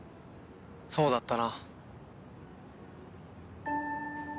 そうだったな。